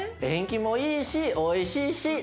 縁起もいいしおいしいし。